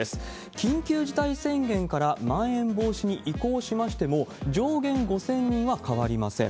緊急事態宣言からまん延防止に移行しましても、上限５０００人は変わりません。